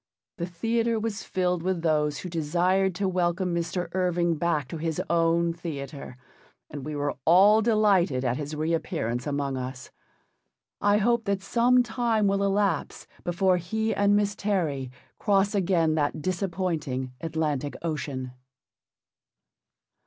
The theatre was filled with those who desired to welcome Mr. Irving back to his own theatre, and we were all delighted at his re appearance among us. I hope that some time will elapse before he and Miss Terry cross again that disappointing Atlantic Ocean.